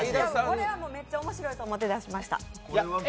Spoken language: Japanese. これはめっちゃ面白いと思って出しました。